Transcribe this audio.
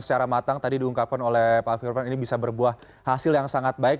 secara matang tadi diungkapkan oleh pak firman ini bisa berbuah hasil yang sangat baik